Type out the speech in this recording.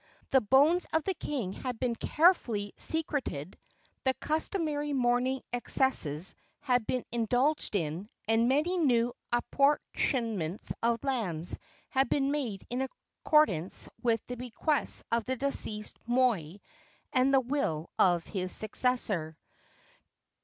The bones of the dead king had been carefully secreted, the customary mourning excesses had been indulged in, and many new apportionments of lands had been made in accordance with the bequests of the deceased moi and the will of his successor.